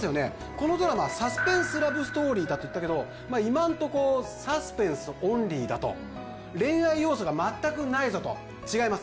このドラマサスペンスラブストーリーだといったけど今んとこサスペンスオンリーだと恋愛要素が全くないぞと違います